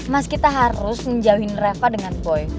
mas kita harus menjauhin reva dengan boy